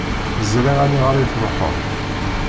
Ẓriɣ aniɣer i truḥeḍ.